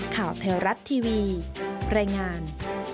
ข่าวไทยรัฐทีวีรายงาน